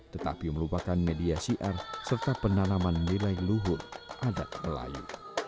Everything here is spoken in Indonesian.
tetapi merupakan media siar serta penanaman nilai luhur adat melayu